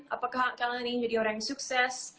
apakah kalian ingin jadi orang yang sukses